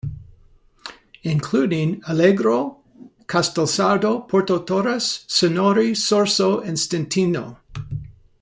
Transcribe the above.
Including Alghero, Castelsardo, Porto Torres, Sennori, Sorso and Stintino.